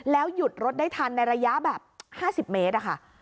แล้วหยุดรถได้ทันในระยะแบบ๕๐เมตร